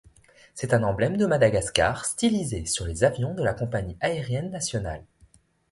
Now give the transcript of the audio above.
C'est un emblème de Madagascar, stylisé sur les avions de la compagnie aérienne nationale.